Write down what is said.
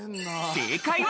正解は。